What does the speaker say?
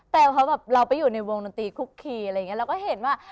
แต่พอเราไปอยู่ในวงดนตรีคุกคีเราก็เห็นว่า